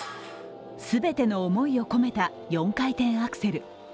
全ての思いを込めた４回転アクセル。